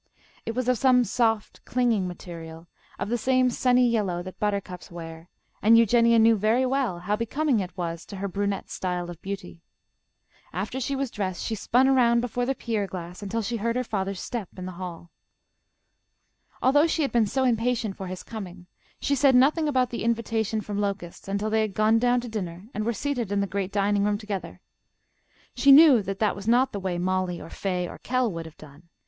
It was of some soft, clinging material, of the same sunny yellow that buttercups wear, and Eugenia knew very well how becoming it was to her brunette style of beauty. After she was dressed, she spun around before the pier glass until she heard her father's step in the hall. Although she had been so impatient for his coming, she said nothing about the invitation from Locust until they had gone down to dinner and were seated in the great dining room together. She knew that that was not the way Mollie or Fay or Kell would have done.